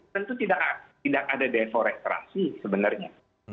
tentu tidak ada deforestasi sebenarnya